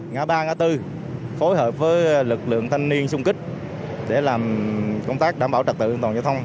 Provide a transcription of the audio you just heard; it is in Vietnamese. ngã ba ngã bốn phối hợp với lực lượng thanh niên xung kích để làm công tác đảm bảo trật tự an toàn giao thông